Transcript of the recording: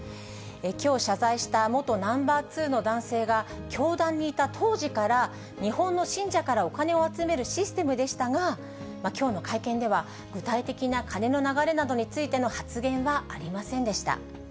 きょう謝罪した元ナンバー２の男性が教団にいた当時から、日本の信者からお金を集めるシステムでしたが、きょうの会見では、具体的な金の流れなどについての発言はありませんでした。